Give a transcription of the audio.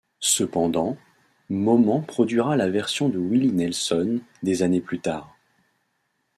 Cependant, Moman produira la version de Willie Nelson des années plus tard.